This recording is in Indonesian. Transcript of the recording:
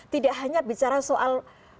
tidak hanya bicara soal